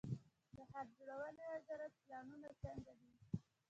د ښار جوړونې وزارت پلانونه څنګه دي؟